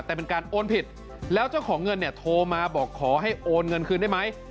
แต่เป็นการโอนผิดแล้วเจ้าของเงินเนี่ยโทรมาบอกขอให้โอนเงินคืนได้ไหม